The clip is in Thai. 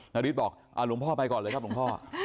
นาริสบอกหลวงพ่อไปก่อนเลยครับหลวงพ่อ